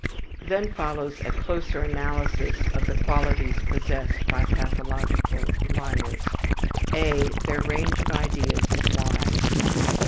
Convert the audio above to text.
Then follows a closer analysis of the qualities possessed by pathological liars: (a) Their range of ideas is wide.